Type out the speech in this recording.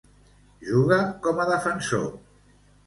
Juga com a defensor.